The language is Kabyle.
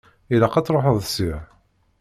Ilaq ad truḥeḍ ssya.